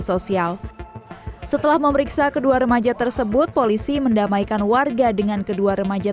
sosial setelah memeriksa kedua remaja tersebut polisi mendamaikan warga dengan kedua remaja